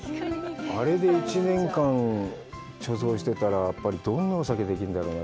あれで１年間貯蔵してたらやっぱりどんなお酒ができるんだろうね。